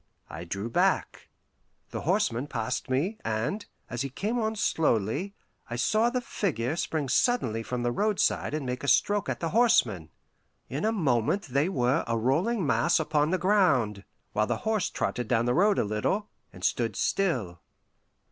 I drew back. The horseman passed me, and, as he came on slowly, I saw the figure spring suddenly from the roadside and make a stroke at the horseman. In a moment they were a rolling mass upon the ground, while the horse trotted down the road a little, and stood still.